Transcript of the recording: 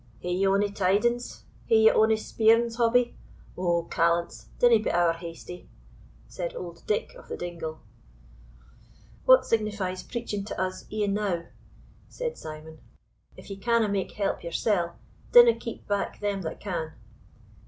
"Hae ye ony tidings? Hae ye ony speerings, Hobbie? O, callants, dinna be ower hasty," said old Dick of the Dingle. "What signifies preaching to us, e'enow?" said Simon; "if ye canna make help yoursell, dinna keep back them that can."